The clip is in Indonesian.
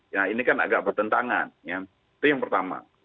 nah ini kan agak bertentangan itu yang pertama